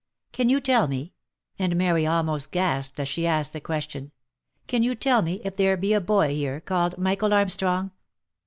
" Can you tell me" — and Mary almost gasped as she asked the question —" Can you tell me, if there be a boy here called Michael Armstrong?"